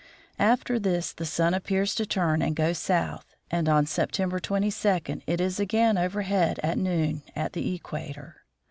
After this the sun appears to turn and go south, and on September 22 it is again overhead at noon at the equator.